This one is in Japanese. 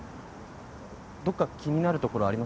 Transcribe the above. どっか気になるところあります？